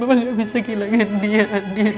mama gak bisa kehilangan dia adil